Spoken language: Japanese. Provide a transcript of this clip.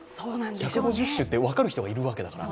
１５０周って分かる人がいるわけだから。